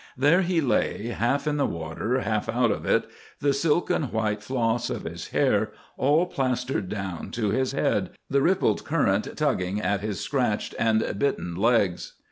There he lay, half in the water, half out of it, the silken white floss of his hair all plastered down to his head, the rippled current tugging at his scratched and bitten legs.